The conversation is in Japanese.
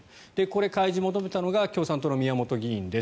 これ、開示を求めたのが共産党の宮本議員。